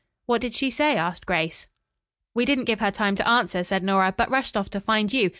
"What did she say?" asked Grace. "We didn't give her time to answer," said Nora, "but rushed off to find you.